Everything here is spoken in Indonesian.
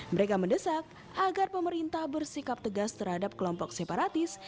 mereka mendesak agar pemerintah bersikap tegas terhadap kelompok separatis